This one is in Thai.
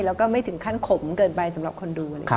แล้วก็ไม่ถึงขั้นขมเกินไปสำหรับคนดู